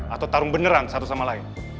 atau tarung beneran satu sama lain